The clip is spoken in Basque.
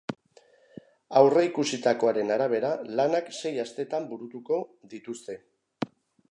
Aurreikusitakoaren arabera, lanak sei astetan burutuko dituzte.